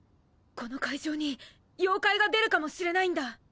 この会場に妖怪が出るかもしれないんだ！